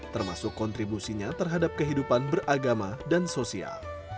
termasuk kontribusinya terhadap kehidupan beragama dan sosial